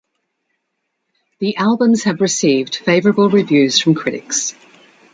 The albums have received favorable reviews from critics.